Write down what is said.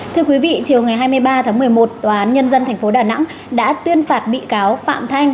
thưa quý vị chiều ngày hai mươi ba tháng một mươi một tòa án nhân dân tp đà nẵng đã tuyên phạt bị cáo phạm thanh